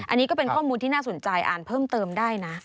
อันนี้ก็เป็นข้อมูลที่น่าสนใจอ่านเพิ่มเติมได้นะ